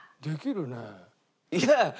できるね。